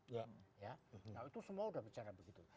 nah itu semua sudah bicara begitu